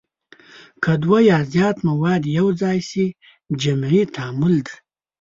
که دوه یا زیات مواد یو ځای شي جمعي تعامل دی.